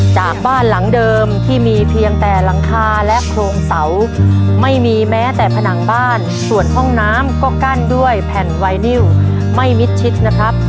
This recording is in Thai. จากบ้านหลังเดิมที่มีเพียงแต่หลังคาและโครงเสาไม่มีแม้แต่ผนังบ้านส่วนห้องน้ำก็กั้นด้วยแผ่นไวนิวไม่มิดชิดนะครับ